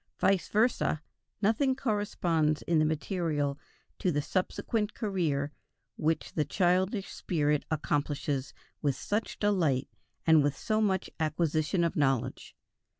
Vice versa, nothing corresponds in the material to the subsequent career which the childish spirit accomplishes with such delight and with so much acquisition of knowledge.